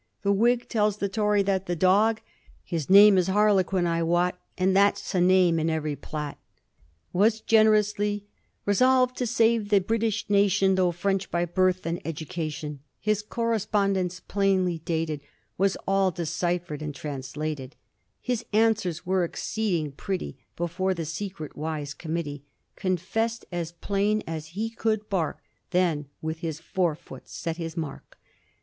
The Whig tells the Tory that the dog — Digiti zed by Google 1723 THE DOG HAHLEQUIN. 289 His name lb Harlequin, I wot. And thaf 8 a name in every plot — was generously Resolved to save the British nation, Though French by birth and education ; His correspondence plainly dated Was all deciphered and translated ; His answers were exceeding pretty, Before the secret wise committee ; Confessed as plain as he could bark, Then with Ids fore foot set his mark.